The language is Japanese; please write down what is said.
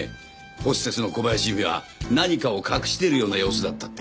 ホステスの小林由美は何かを隠しているような様子だったってね。